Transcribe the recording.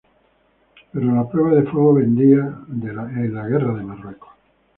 Pero la prueba de fuego vendría en la Guerra de Marruecos.